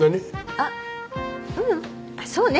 あっううんそうね。